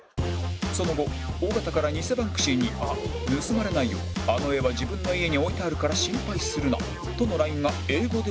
その後尾形から偽バンクシーに「盗まれないようあの画は自分の家に置いてあるから心配するな」との ＬＩＮＥ が英語で送られてきた